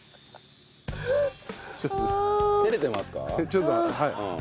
ちょっとはい。